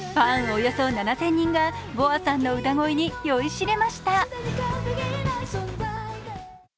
およそ７０００人がＢｏＡさんの歌声に酔いしれました。